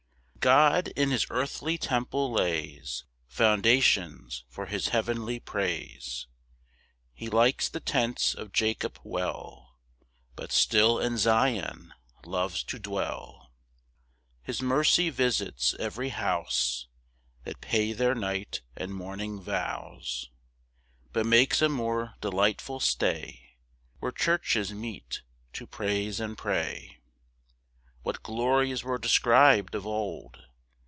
1 God in his earthly temple lays Foundations for his heavenly praise: He likes the tents of Jacob well, But still in Zion loves to dwell. 2 His mercy visits every house That pay their night and morning vows; But makes a more delightful stay Where churches meet to praise and pray. 3 What glories were describ'd of old!